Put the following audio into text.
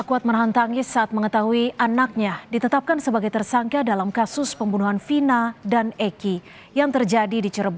kita akan mendengarkan ketanganan dari tkp